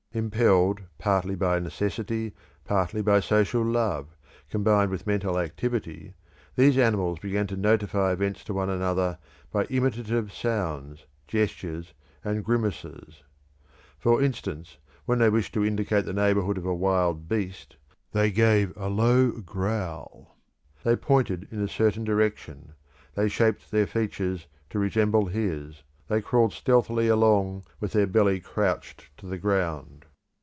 Impelled partly by necessity, partly by social love, combined with mental activity, these animals began to notify events to one another by imitative sounds, gestures, and grimaces. For instance, when they wished to indicate the neighbourhood of a wild beast, they gave a low growl; they pointed in a certain direction; they shaped their features to resemble his; they crawled stealthily along with their belly crouched to the ground.